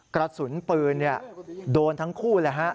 กระสุนปืนโดนทั้งคู่เลยฮะ